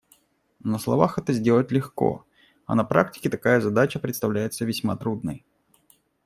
На словах это сделать легко, а на практике такая задача представляется весьма трудной.